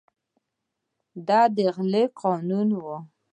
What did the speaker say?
د غلې قانون و.